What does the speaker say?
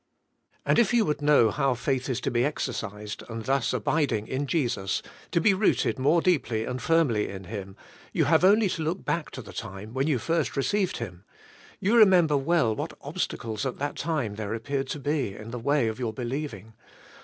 And if you would know how faith is to be exercised and thus abiding in Jesus, to be rooted more deeply and firmly in Him, you have only to look back to the time when first you received Him. You remember well what obstacles at that time there appeared to be in the way of your believing.